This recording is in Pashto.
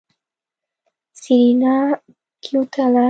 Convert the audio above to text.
سېرېنا کېوتله.